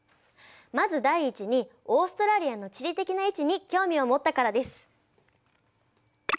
まず第一にオーストラリアの地理的な位置に興味を持ったからです。